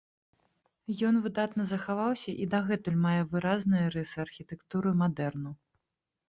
Ён выдатна захаваўся і дагэтуль мае выразныя рысы архітэктуры мадэрну.